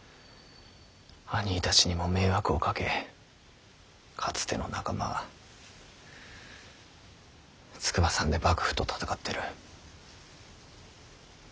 あにぃたちにも迷惑をかけかつての仲間は筑波山で幕府と戦ってる。